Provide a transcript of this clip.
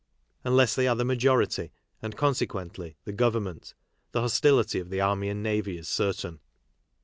Unless they are the majority and, consequently, the government, the hostility of the army and navy is certain.